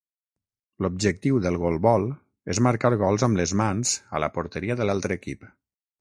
L'objectiu del golbol és marcar gols amb les mans a la porteria de l'altre equip.